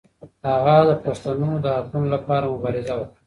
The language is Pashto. هغه د پښتنو د حقونو لپاره مبارزه وکړه.